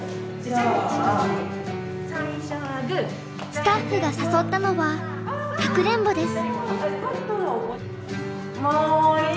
スタッフが誘ったのはかくれんぼです。